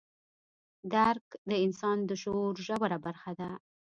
درک د انسان د شعور ژوره برخه ده.